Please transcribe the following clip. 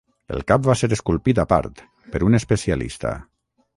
El cap va ser esculpit a part, per un especialista.